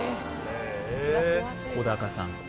小高さん